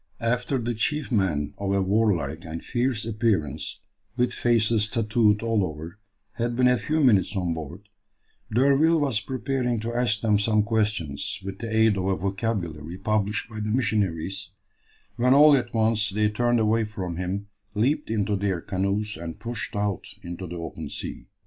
After the chief men of a warlike and fierce appearance, with faces tattooed all over, had been a few minutes on board, D'Urville was preparing to ask them some questions, with the aid of a vocabulary published by the missionaries, when all at once they turned away from him, leaped into their canoes and pushed out into the open sea.